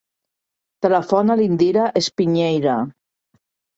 Telefona a l'Indira Espiñeira.